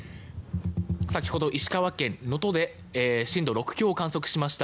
先ほど、石川県能登で震度６強を観測しました。